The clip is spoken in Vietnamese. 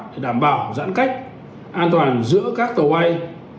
để đảm bảo giãn cách an toàn giữa các tàu bay